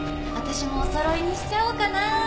私もおそろいにしちゃおうかな。